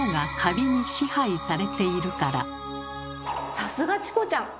さすがチコちゃん！